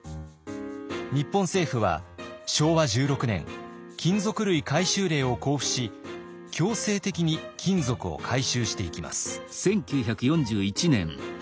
日本政府は昭和１６年金属類回収令を公布し強制的に金属を回収していきます。